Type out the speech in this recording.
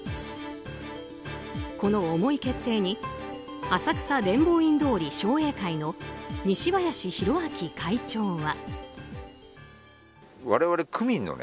この思い決定に浅草伝法院通り商栄会の西林宏章会長は。